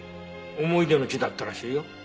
思い出の地だったらしいよ。